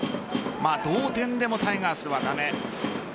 同点でもタイガースは駄目。